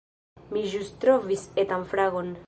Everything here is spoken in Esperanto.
Mi ĵus trovis etan fragon